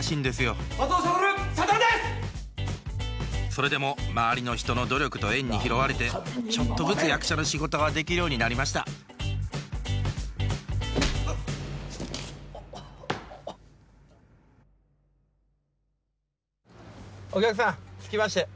それでも周りの人の努力と縁に拾われてちょっとずつ役者の仕事ができるようになりましたお客さん着きましたよ。